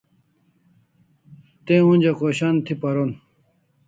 Te onja khoshan thi paron